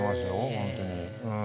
本当に。